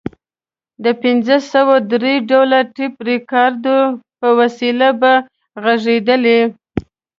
د پنځه سوه درې ډوله ټیپ ریکارډر په وسیله به غږېدلې.